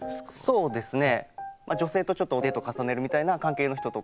そうですね。